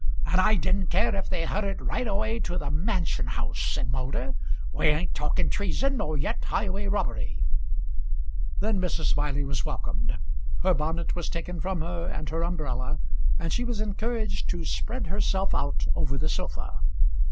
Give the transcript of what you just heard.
"And I didn't care if they heard it right away to the Mansion House," said Moulder. "We ain't talking treason, nor yet highway robbery." Then Mrs. Smiley was welcomed; her bonnet was taken from her and her umbrella, and she was encouraged to spread herself out over the sofa.